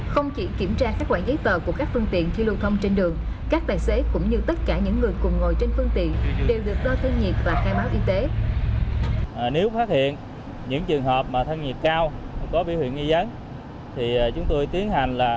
không chỉ kiểm tra các quản giấy tờ của các phương tiện khi lưu thông trên đường